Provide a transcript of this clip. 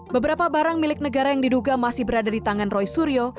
beberapa barang milik negara yang diduga masih berada di tangan roy suryo